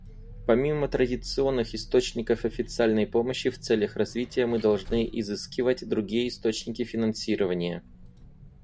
Помимо традиционных источников официальной помощи в целях развития, мы должны изыскивать другие источники финансирования.